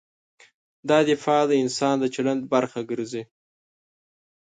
دا دفاع د انسان د چلند برخه ګرځي.